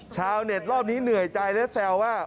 ชาวเน็ตรอบนี้เหนื่อยใจและแซวว่า